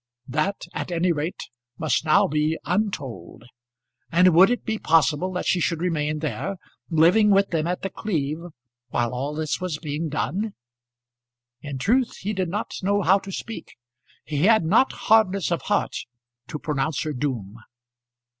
That at any rate must now be untold. And would it be possible that she should remain there, living with them at The Cleeve, while all this was being done? In truth he did not know how to speak. He had not hardness of heart to pronounce her doom.